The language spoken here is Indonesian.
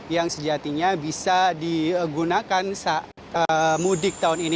yang sejatinya bisa digunakan saat mudik tahun ini